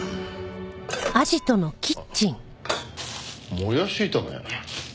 あっもやし炒め。